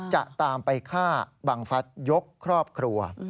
จะตามไปฆ่าบังฟัฐยกครอบครัว